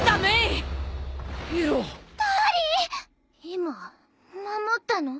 今守ったの？